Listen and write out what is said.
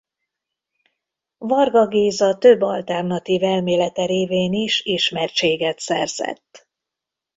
Varga Géza több alternatív elmélete révén is ismertséget szerzett.